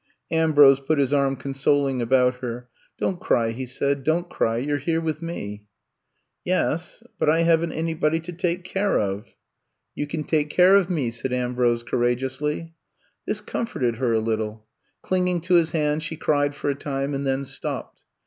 Ambrose put his arm consoling about her. ^* Don't cry," he said. Don't cry, you 're here with me." *^Yes, but I haven't anybody to take care of." I'VE COMB TO STAY 78 ^^You can take care of me," said Am brose courageously. This comforted her a little. Clinging to his hand, she cried for a time, and then stopped.